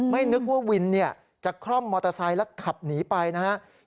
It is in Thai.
นึกว่าวินจะคล่อมมอเตอร์ไซค์แล้วขับหนีไปนะครับ